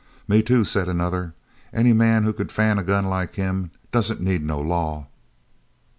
"Me too," said another; "any man who can fan a gun like him don't need no law."